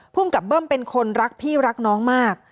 กับเบิ้มเป็นคนรักพี่รักน้องมาก